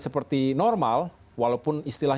seperti normal walaupun istilah